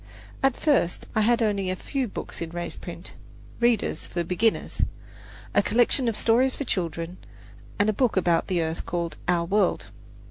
At first I had only a few books in raised print "readers" for beginners, a collection of stories for children, and a book about the earth called "Our World."